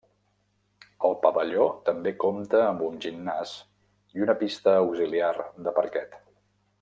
El pavelló també compta amb un gimnàs i una pista auxiliar de parquet.